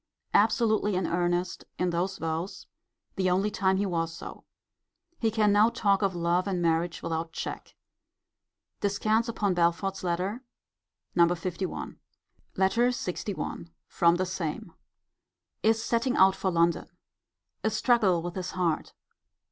Absolutely in earnest in those vows. [The only time he was so.] He can now talk of love and marriage without check. Descants upon Belford's letter, No. LI. LETTER LXI. From the same. Is setting out for London. A struggle with his heart.